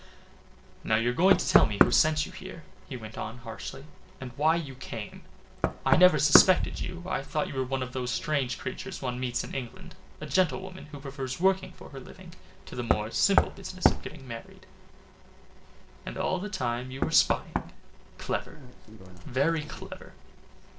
"Now you're going to tell me who sent you here," he went on harshly, "and why you came. I never suspected you. I thought you were one of those strange creatures one meets in England, a gentlewoman who prefers working for her living to the more simple business of getting married. And all the time you were spying clever very clever!"